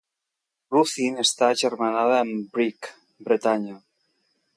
Ruthin està agermanada amb Brieg, Bretanya.